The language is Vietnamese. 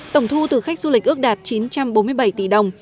tổng thu từ khách du lịch ước đạt chín trăm bốn mươi bảy tỷ đồng